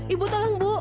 ibu tolong ibu